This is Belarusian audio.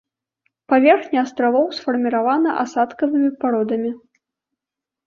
Паверхня астравоў сфарміравана асадкавымі пародамі.